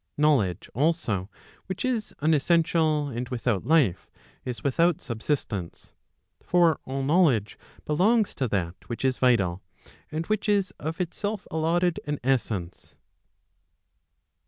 . Knowledge, also, which is unessential and without life, is without subsistence. For all knowledge belongs to that which is vital, and which is of itself allotted an essence.